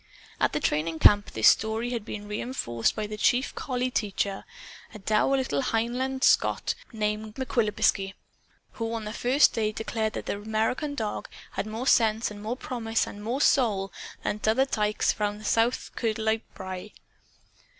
At the training camp this story had been reenforced by the chief collie teacher a dour little Hieland Scot named McQuibigaskie, who on the first day declared that the American dog had more sense and more promise and more soul "than a' t'other tykes south o' Kirkcudbright Brae."